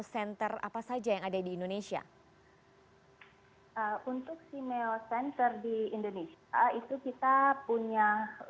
center apa saja yang ada di indonesia untuk simeo center di indonesia itu kita punya